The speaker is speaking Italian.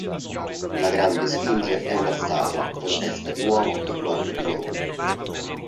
La grande sfinge è una statua con testa di uomo e corpo di leone.